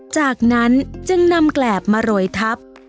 จากนั้นจึงนำแกรบมาโรยทับ